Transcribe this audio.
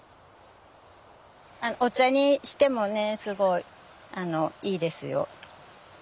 お茶にしてもねすごいいいですよ。